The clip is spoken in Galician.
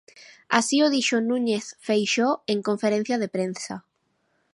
Así o dixo Núñez Feixóo en conferencia de prensa.